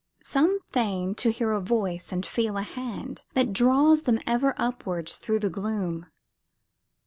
Some feign to hear a voice and feel a hand That draws them ever upward thro' the gloom.